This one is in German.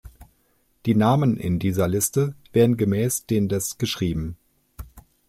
Die Namen in dieser Liste werden gemäß den des geschrieben.